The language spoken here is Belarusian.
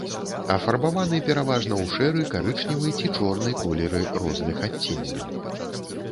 Афарбаваны пераважна ў шэры, карычневы ці чорны колеры розных адценняў.